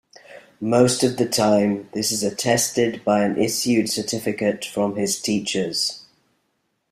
Most of the time this is attested by an issued certificate from his teachers.